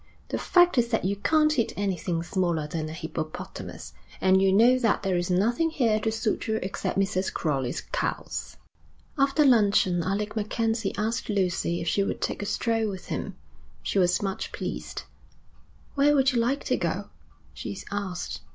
'The fact is that you can't hit anything smaller than a hippopotamus, and you know that there is nothing here to suit you except Mrs. Crowley's cows.' After luncheon Alec MacKenzie asked Lucy if she would take a stroll with him. She was much pleased. 'Where would you like to go?' she asked.